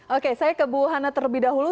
oke saya ke bu hana terlebih dahulu